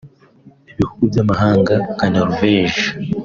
Ibihugu by’amahanga nka Norvège